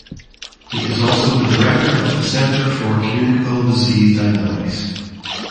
He is also the Director of the Center for Communicable Disease Dynamics.